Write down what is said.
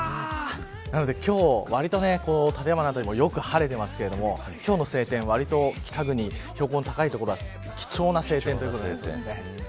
なので今日、わりと立山の辺りもよく晴れてますけれども今日の晴天は、北国標高の高い所は貴重な晴天ということですね。